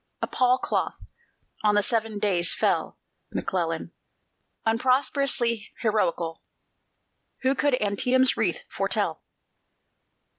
A pall cloth on the Seven Days fell, McClellan Unprosperously heroical! Who could Antietam's wreath foretell?